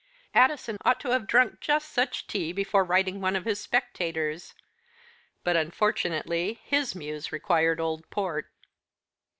Addison ought to have drunk just such tea before writing one of his Spectators, but unfortunately his muse required old port."